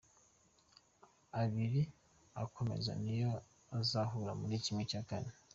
Abiri akomeza niyo azahura muri kimwe cya kane.